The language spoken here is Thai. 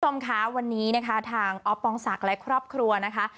คุณผู้ชมคะวันนี้นะคะทางออฟปองศักดิ์และครอบครัวนะคะ